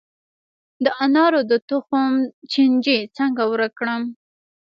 د انارو د تخم چینجی څنګه ورک کړم؟